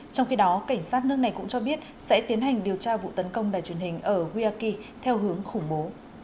trong khi đó cảnh sát nước này cũng cho biết sẽ tiến hành điều tra vụ tấn công đài truyền hình ở guiaqui theo hướng khủng bố